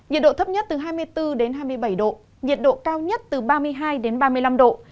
nhiệt độ thấp nhất từ hai mươi bốn đến hai mươi bảy độ nhiệt độ cao nhất từ ba mươi hai đến ba mươi năm độ